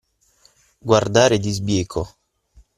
Guardare di sbieco.